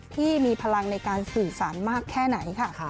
ที่มีพลังในการสื่อสารมากแค่ไหนค่ะ